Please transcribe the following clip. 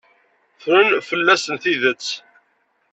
Ffren fell-asen tidet.